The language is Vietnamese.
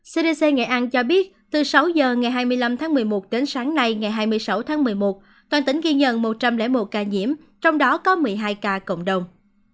cdc nghệ an cho biết từ sáu h ngày hai mươi năm tháng một mươi một đến sáng nay ngày hai mươi sáu tháng một mươi một toàn tỉnh ghi nhận một trăm linh một ca nhiễm trong đó có một mươi hai ca cộng đồng